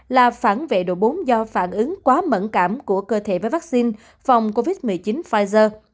là phản vệ độ bốn do phản ứng quá mẫn cảm của cơ thể với vaccine phòng covid một mươi chín pfizer